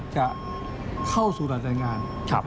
จะเข้าสูตรแต่งงาน